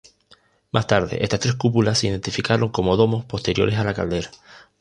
Más tarde, estas tres cúpulas se identificaron como domos posteriores a la caldera.